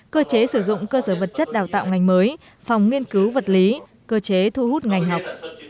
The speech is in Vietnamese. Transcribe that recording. cơ chế sử dụng cơ sở vật chất đào tạo ngành mới phòng nghiên cứu vật lý cơ chế thu hút ngành học